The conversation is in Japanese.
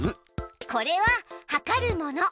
これははかるもの。